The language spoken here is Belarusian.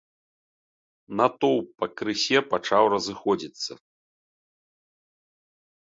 Натоўп пакрысе пачаў разыходзіцца.